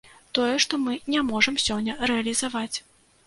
Тое, што мы не можам сёння рэалізаваць.